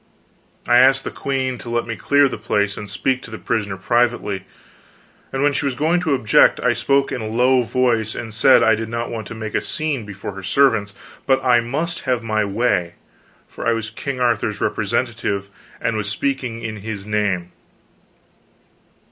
I asked the queen to let me clear the place and speak to the prisoner privately; and when she was going to object I spoke in a low voice and said I did not want to make a scene before her servants, but I must have my way; for I was King Arthur's representative, and was speaking in his name.